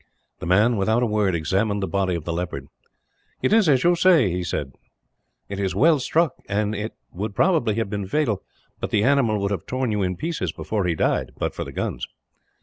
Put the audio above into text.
The man, without a word, examined the body of the leopard. "It is as you say," he said. "It was well struck, and would probably have been fatal; but the animal would have torn you in pieces before he died, but for the guns.